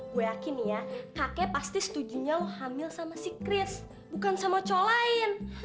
gue yakin nih ya kakek pasti setujunya lo hamil sama si kris bukan sama co lain